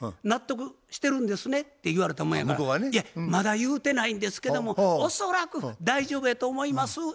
納得してるんですね？」って言われたもんやから「まだ言うてないんですけども恐らく大丈夫やと思います」